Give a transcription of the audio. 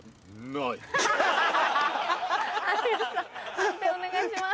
判定お願いします。